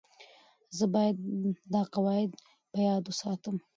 زه باید دا قواعد په یاد وساتم.